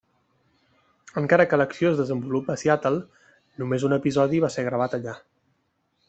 Encara que l'acció es desenvolupa a Seattle, només un episodi va ser gravat allà.